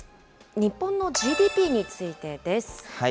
日本のＧＤＰについてです。